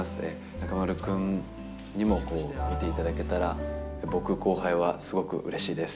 中丸君にも見ていただけたら、僕、後輩はすごくうれしいです。